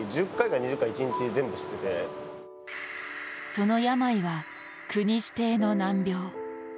その病は国指定の難病。